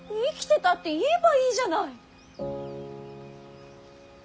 生きてたって言えばいいじゃない。